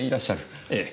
ええ。